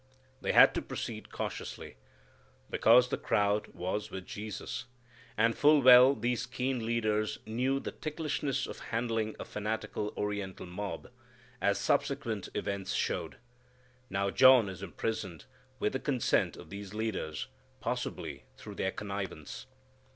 They had to proceed cautiously, because the crowd was with Jesus. And full well these keen leaders knew the ticklishness of handling a fanatical Oriental mob, as subsequent events showed. Now John is imprisoned, with the consent of these leaders, possibly through their connivance.